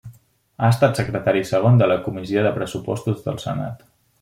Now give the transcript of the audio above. Ha estat secretari segon de la comissió de Pressupostos del Senat.